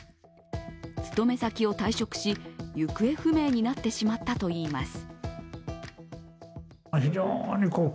勤め先を退職し行方不明になってしまったといいます。